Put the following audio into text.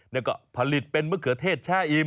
แล้วก็ผลิตเป็นมะเขือเทศแช่อิ่ม